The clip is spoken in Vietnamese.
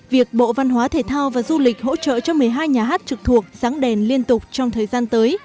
việc bộ văn hóa thể thao và du lịch hỗ trợ cho một mươi hai nhà hát trực thuộc sáng đèn liên tục trong thời gian tới